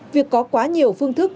việc có quá nhiều phương thức